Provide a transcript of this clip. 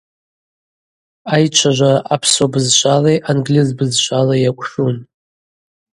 Айчважвара апсуа бызшвали ангьльыз бызшвали йакӏвшун.